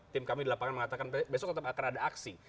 tim kami di lapangan mengatakan besok tetap akan ada aksi